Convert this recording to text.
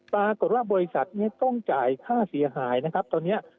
ปรากฏว่าบริษัทต้องใจค่าเสียหาย